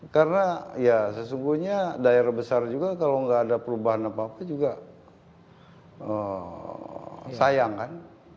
karena ya sesungguhnya daerah besar juga kalau enggak ada perubahan apa apa juga sayang kan